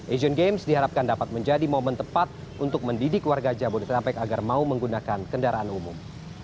asian games diharapkan dapat menjadi momen tepat untuk mendidik warga jabodetabek agar mau menggunakan kendaraan umum